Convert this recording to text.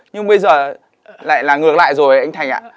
nhưng bây giờ lại là ngược lại rồi anh thành ạ